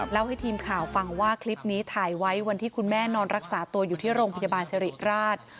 ให้ทีมข่าวฟังว่าคลิปนี้ถ่ายไว้วันที่คุณแม่นอนรักษาตัวอยู่ที่โรงพยาบาลสิริราช